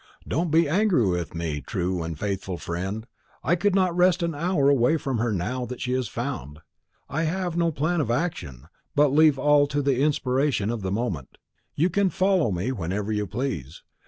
Don't be angry with me, true and faithful friend; I could not rest an hour away from her now that she is found. I have no plan of action, but leave all to the inspiration of the moment. You can follow me whenever you please.